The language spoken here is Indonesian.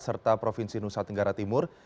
serta provinsi nusa tenggara timur